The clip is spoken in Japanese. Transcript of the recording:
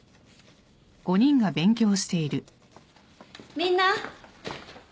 ・みんな。